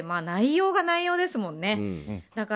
内容が内容ですもんね。